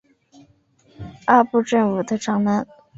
阿部正武的长男。